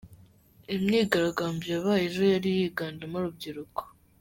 Imyigaragambyo yabaye ejo yari yiganjemo urubyiruko.